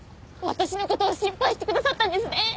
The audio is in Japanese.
私の事を心配してくださったんですね。